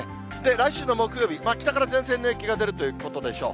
来週の木曜日、北から前線の影響が出るということでしょう。